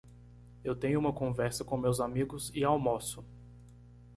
Eu tenho uma conversa com meus amigos e almoço.